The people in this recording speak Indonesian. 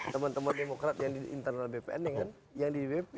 teman teman demokrat yang di internal bpn dengan yang di dpp